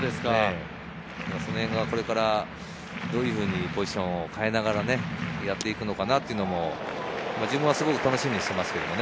これからどういうふうにポジションを変えながらやっていくのかなと、自分はすごく楽しみにしています。